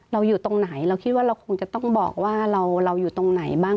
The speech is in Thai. อยู่ตรงไหนเราคิดว่าเราคงจะต้องบอกว่าเราอยู่ตรงไหนบ้าง